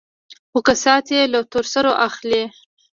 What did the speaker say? خو كسات يې له تور سرو اخلي.